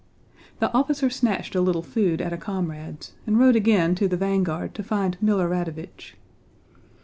The officer snatched a little food at a comrade's, and rode again to the vanguard to find Milorádovich.